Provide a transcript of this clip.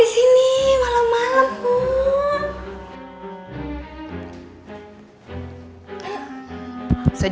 senjata gue mana sih